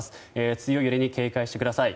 強い揺れに警戒してください。